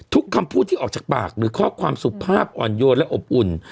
คำพูดที่ออกจากปากหรือข้อความสุภาพอ่อนโยนและอบอุ่น